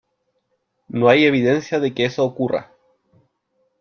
no hay evidencia de que eso ocurra .